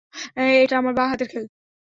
এটা আমার বাঁ-হাতের খেল।